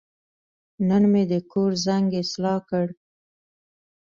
نن مې د کور زنګ اصلاح کړ.